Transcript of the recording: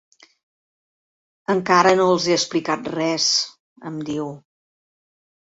Encara no els he explicat res —em diu—.